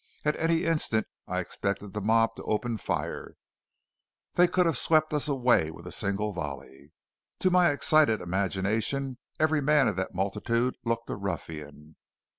At any instant I expected the mob to open fire; they could have swept us away with a single volley. To my excited imagination every man of that multitude looked a ruffian.